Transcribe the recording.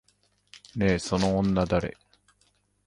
ねえ、その女誰？